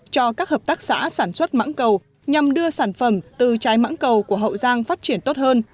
cho các hợp tác xã sản xuất mắng cầu nhằm đưa sản phẩm từ trái mắng cầu của hậu giang phát triển tốt hơn